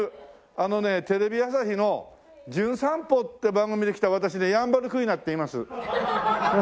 あのねテレビ朝日の『じゅん散歩』って番組で来た私ねヤンバルクイナっていいます。